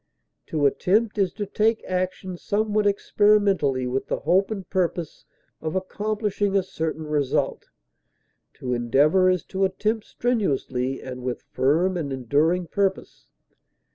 To attempt is to take action somewhat experimentally with the hope and purpose of accomplishing a certain result; to endeavor is to attempt strenuously and with firm and enduring purpose.